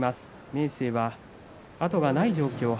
明生は後がない状態。